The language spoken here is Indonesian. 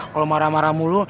kalau marah marah mulu